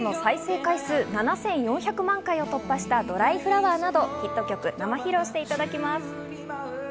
回数７４００万回を突破した『ドライフラワー』などヒット曲を生披露していただきます。